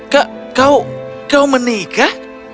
kau kau kau menikah